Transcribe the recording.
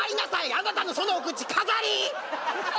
あなたのそのお口飾り？